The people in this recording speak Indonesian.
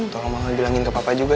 tolong bilangin ke papa juga